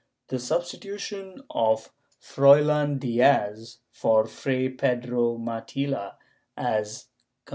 ^ The substitution of Froilan Diaz for Fray Pedro Matilla, 1 Col.